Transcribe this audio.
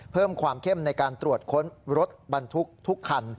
เพิ่มความเข้มในการตรวจค้นรถบรรทุกทุกคัน